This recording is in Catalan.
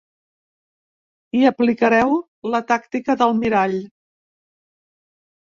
Hi aplicareu la tàctica del mirall.